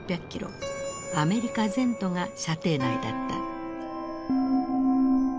アメリカ全土が射程内だった。